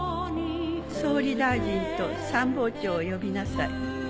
総理大臣と参謀長を呼びなさい。